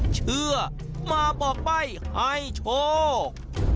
เชื่อมาบอกใบ้ให้โชค